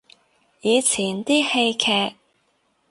以前啲戲劇